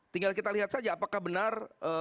tinggal kita lihat saja apakah benar